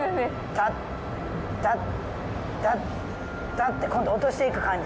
タッタッて今度落としていく感じ。